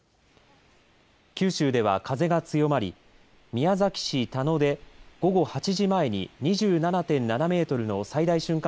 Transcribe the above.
九州では風が強まり宮崎市田野で午後８時前に２７．７メートルの最大瞬間